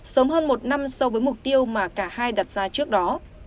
sớm hơn một năm so với mục tiêu mà cả hai đặt ra trước đó